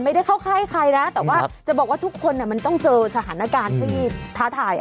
ไม่ได้เข้าค่ายใครนะแต่ว่าจะบอกว่าทุกคนมันต้องเจอสถานการณ์ที่ท้าทาย